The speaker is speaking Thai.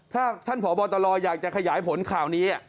ถ้าท่านผ่อบอร์ตอลอยอยากจะขยายผลข่าวนี้